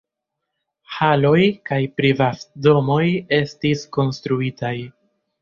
Haloj kaj privatdomoj estis konstruitaj.